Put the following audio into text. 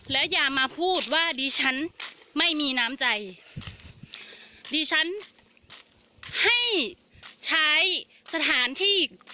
แล้วอย่ามาพูดว่าดิฉันไม่มีน้ำใจดิฉันให้ใช้สถานที่